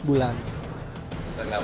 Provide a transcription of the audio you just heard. kita tidak pernah dengar